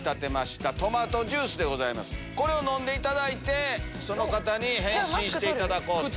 これを飲んでいただいてその方に変身していただこうと。